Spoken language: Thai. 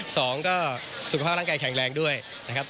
สองก็สุขภาพร่างกายแข็งแรงด้วยนะครับ